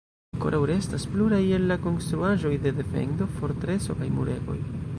Ankoraŭ restas pluraj el la konstruaĵoj de defendo: fortreso kaj muregoj.